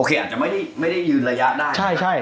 อาจจะไม่ได้ยืนระยะได้